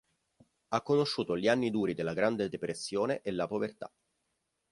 Ha conosciuto gli anni duri della Grande Depressione e la povertà.